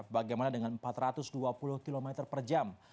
bagaimana dengan empat ratus dua puluh km per jam